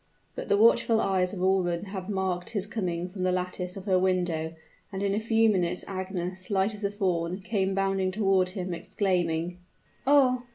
But the watchful eyes of a woman have marked his coming from the lattice of her window; and in a few minutes Agnes, light as a fawn, came bounding toward him, exclaiming, "Oh!